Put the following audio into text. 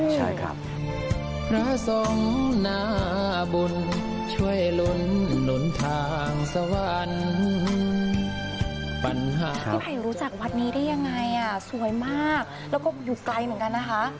พี่ภัยรู้จักวัดนี้ได้ยังไงสวยมากแล้วก็อยู่ไกลเหมือนกันนะคะ